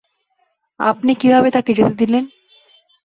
আপনি কিভাবে তাকে যেতে দিলেন?